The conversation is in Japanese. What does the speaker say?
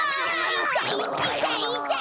いたいいたいいたい！